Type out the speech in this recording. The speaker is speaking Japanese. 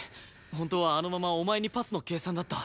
本当はあのままお前にパスの計算だった。